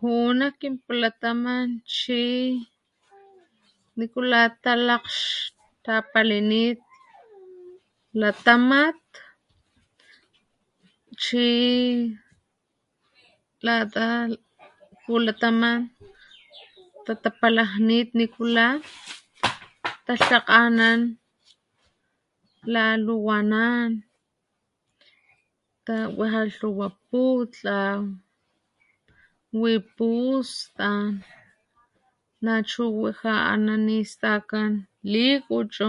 Ju´u nak kinpulataman chi nikula talakgxtapalinit latamat chi lata pulataman tatapalajnit nikula talhakganan laluwanan ta wija tluwa putlaw wi pustan nachu wija ana´ nistakan likuchu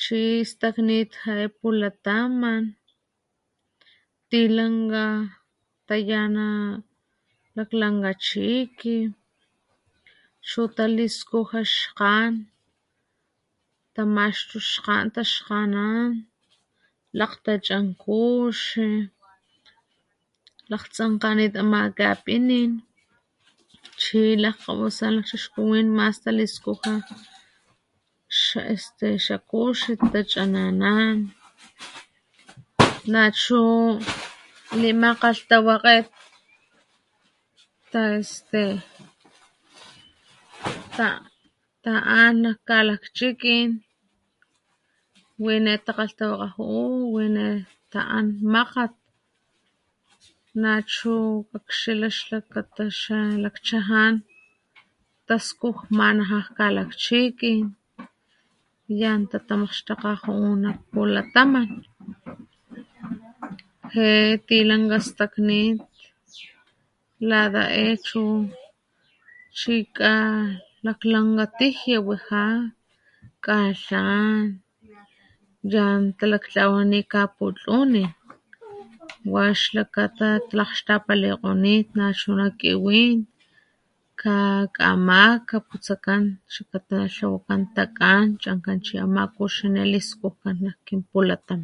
chi staknit ja´e pulataman tilankga tayana laklankga chiki chutaliskuja xkgan tamaxtu xkgan taxkganan lakg tachan kuxi lakgtsankanit ama´kapinin chi lakgkgawasan lakchixkuwin mas taliskuja xa este kuxi tachananan nachu limakgalhtawakget ta este ta ta´an nak kalakchikin wine takgalhtawakga ju´u wine ta´an makgat nachu kakxila xlakata xalak chajan taskujmanaja kalakchikin yan tatamamakgxtakga ju´u nak pulataman je tilankga staknit lata e chu chi kgalaklankga tijia wija kgalhan yan talakgtlawan ni kaputlunin wa ixlakata talakgaxtapalikgonit nachuna kiwin kakamaka putsakan xlakata natlawakan takgan chankan chi ama kuxi ne liskujkan nak kin pulataman